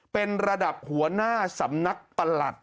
เป็นระดับหัวหน้าสำนักประหลัด